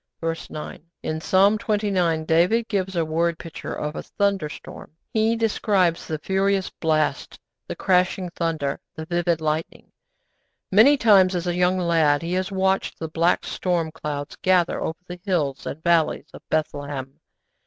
_' (Verse 9.) In Psalm xxix. David gives a word picture of a thunderstorm. He describes the furious blast, the crashing thunder, the vivid lightning. Many times as a young lad he had watched the black storm clouds gather over the hills and valleys of Bethlehem.